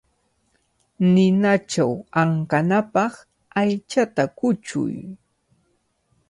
Ninachaw ankanapaq aychata kuchuy.